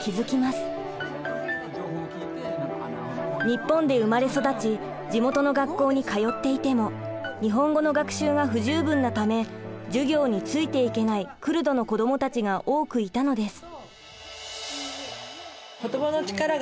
日本で生まれ育ち地元の学校に通っていても日本語の学習が不十分なため授業についていけないクルドの子どもたちが多くいたのです。